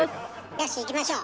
やっしーいきましょう。